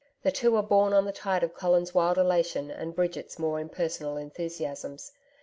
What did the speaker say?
The two were borne on the tide of Colin's wild elation and Bridget's more impersonal enthusiasms.